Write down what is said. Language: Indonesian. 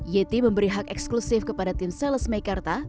yeti memberi hak eksklusif kepada tim sales meikarta